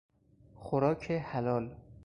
خوراک حلال